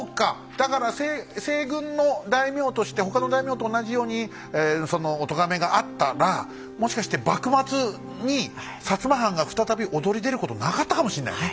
だから西軍の大名として他の大名と同じようにそのおとがめがあったらもしかして幕末に摩藩が再び躍り出ることなかったかもしんないね。